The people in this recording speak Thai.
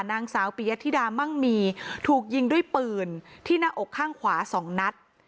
นางสาวปียธิดามั่งมีถูกยิงด้วยปืนที่หน้าอกข้างขวา๒นัด